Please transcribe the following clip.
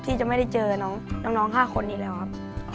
ที่จะไม่ได้เจอน้องน้องน้องห้าคนอีกแล้วครับ